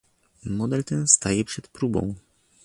Model ten staje przed próbą